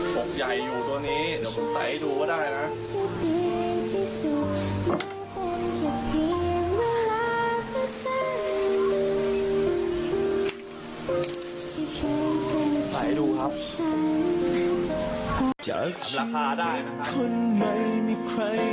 จากชีวิตคนไม่มีใคร